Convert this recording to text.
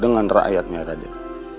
dengan rakyatnya raden